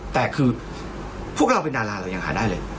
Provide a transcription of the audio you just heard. แต่คือพวกเราเป็นดาราเรายังหาได้เลย